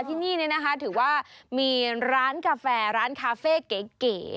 ที่นี่นะคะถือว่ามีร้านกาแฟร้านคาเฟ่เก๋